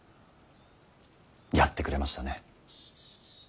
やってくれましたね。